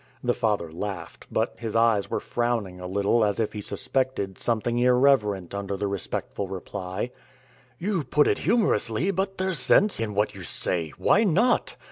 The father laughed, but his eyes were frowning a little as if he suspected something irreverent under the respectful reply. "You put it humorously, but there's sense in what you say. Why not?